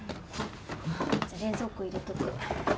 じゃあ冷蔵庫入れとく。